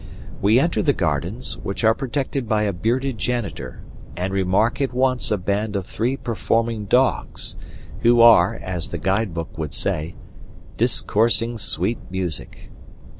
We enter the gardens, which are protected by a bearded janitor, and remark at once a band of three performing dogs, who are, as the guide book would say, "discoursing sweet music."